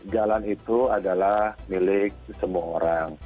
jalan itu adalah milik semua orang